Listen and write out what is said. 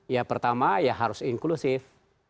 ya pertama ya harus inklusif